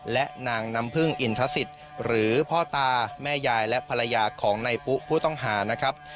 และนางน้ำพึ่งอินทศิษย์หรือพ่อตาแม่ยายและภรรยาของนายปุ๊ผู้ต้องหานะครับ